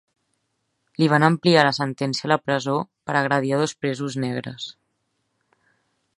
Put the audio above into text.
Li van ampliar la sentència a la presó per agredir a dos presos negres.